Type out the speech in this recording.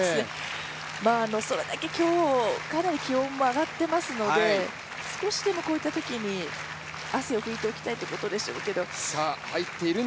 それだけ今日、かなり気温も上がっていますので少しでもこういったときに汗を拭いておきたいということでしょうけど。